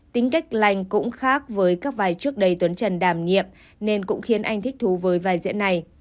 tính cách lành cũng khác với các vài trước đây tuấn trần đảm nhiệm nên cũng khiến anh thích thú với vai diễn này